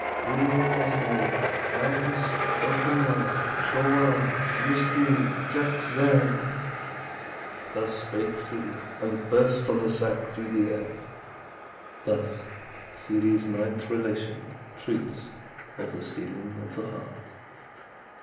"Ruler of Destiny, thou hast spoken words! Ssarwala missdood jakzang." Thus spake Ssidi, and burst from the sack through the air. Thus Ssidi's ninth relation treats of the Stealing of the Heart.